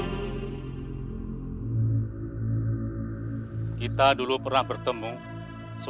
tapi kadang kadang bergerak doncor